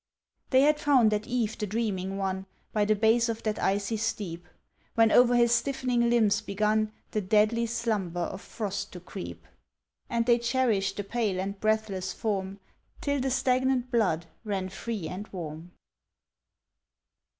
They had found at eve the dreaming one By the base of that icy steep, When over his stiffening limbs begun The deadly slumber of frost to creep, And they cherished the pale and breathless form, Till the stagnant blood ran free and warm.